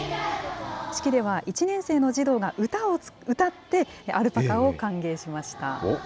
式では、１年生の児童が歌を歌って、アルパカを歓迎しました。